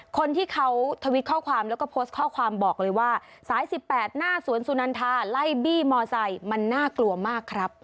คนที่เขาทวิตข้อความแล้วก็โพสต์ข้อความบอกเลยว่าสาย๑๘หน้าสวนสุนันทาไล่บี้มอไซค์มันน่ากลัวมากครับ